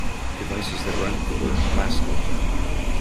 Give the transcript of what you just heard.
Devices that run cooler last longer.